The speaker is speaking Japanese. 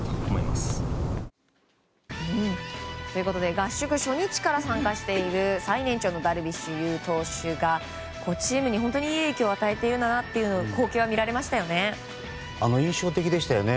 合宿初日から参加している最年長のダルビッシュ有投手がチームに本当にいい影響を与えているんだなという光景がみられましたよね。